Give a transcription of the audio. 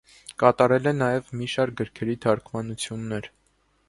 Կատարել է նաև մի շարք գրքերի թարգմանություններ։